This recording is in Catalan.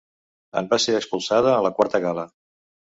En va ser expulsada a la quarta gala.